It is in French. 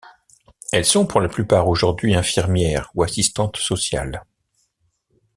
Elles sont pour la plupart aujourd'hui infirmières ou assistantes sociales.